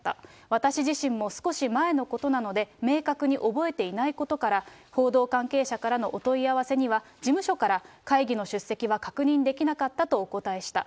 私自身も少し前のことなので、明確に覚えていないことから、報道関係者からのお問い合わせには、事務所から会議の出席は確認できなかったとお答えした。